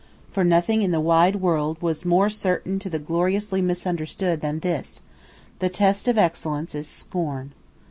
For nothing in the wide world was more certain to the gloriously misunderstood than this: the test of excellence is scorn.